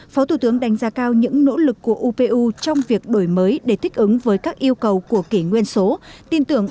phó thủ tướng đánh giá cao những nỗ lực của upu trong việc đổi mới để thích ứng với các yêu cầu của kỷ nguyên số